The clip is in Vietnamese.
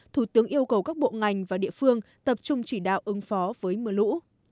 thủ tướng yêu cầu các bộ ngành và địa phương tập trung chỉ đạo ứng phó với mưa lũ